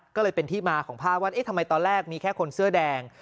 ก็เลยเป็นที่มาของภาพว่าเอ๊ะทำไมตอนแรกมีแค่คนเสื้อแดง